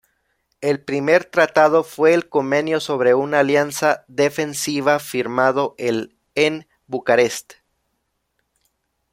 El primer tratado fue el "Convenio sobre una alianza defensiva", firmado el en Bucarest.